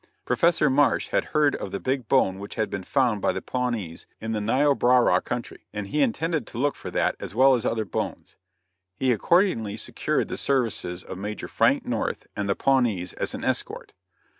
Professor Marsh had heard of the big bone which had been found by the Pawnees in the Niobrara country, and he intended to look for that as well as other bones. He accordingly secured the services of Major Frank North and the Pawnees as an escort.